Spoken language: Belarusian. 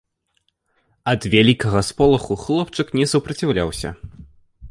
Ад вялікага сполаху хлопчык не супраціўляўся.